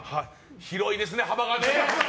広いですね、幅がね。